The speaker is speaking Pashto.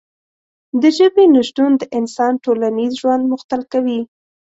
د ژبې نشتون د انسان ټولنیز ژوند مختل کوي.